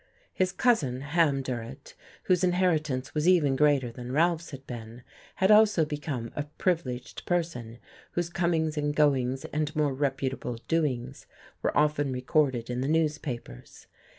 His cousin, Ham Durrett, whose inheritance was even greater than Ralph's had been, had also become a privileged person whose comings and goings and more reputable doings were often recorded in the newspapers.